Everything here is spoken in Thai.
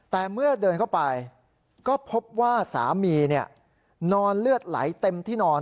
แต่เมื่อเดินเข้าไปก็พบว่าสามีนอนเลือดไหลเต็มที่นอน